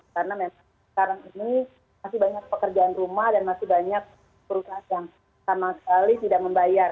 karena memang sekarang ini masih banyak pekerjaan rumah dan masih banyak perusahaan yang sama sekali tidak membayar